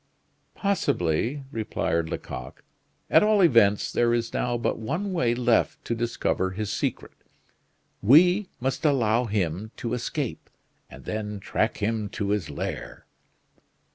"Possibly," replied Lecoq. "At all events, there is now but one way left to discover his secret; we must allow him to escape and then track him to his lair."